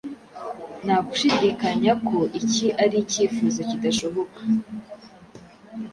Nta gushidikanya ko iki ari icyifuzo kidashoboka,